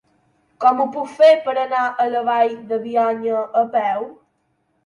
Com ho puc fer per anar a la Vall de Bianya a peu?